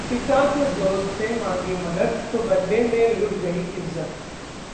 पिता के दोस्त से मांगी मदद, तो बदले में लुट गई इज्जत